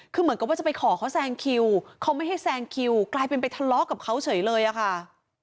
คือเหมือนกับว่าจะไปขอเขาแซงคิวเขาไม่ให้แซงคิวกลายเป็นไปทะเลาะกับเขาเฉยเลยอะค่ะ